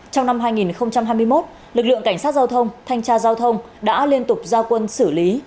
trong năm hai nghìn hai mươi một lực lượng cảnh sát giao thông thanh tra giao thông đã liên tục giao quân xử lý